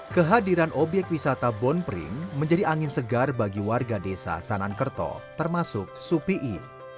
kehadiran obyek wisata bon pring menjadi angin segar bagi warga desa sanankerto termasuk supii